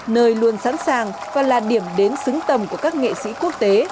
nơi luôn sẵn sàng và là điểm đến xứng tầm của các nghệ sĩ quốc tế